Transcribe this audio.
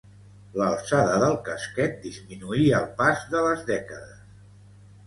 L'alçada del casquet disminuí al pas de les dècades.